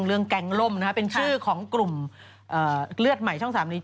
เรื่องแกงโล่มนะคะเป็นชื่อของกลุ่มเลือดใหม่ช่องสาบัดนี้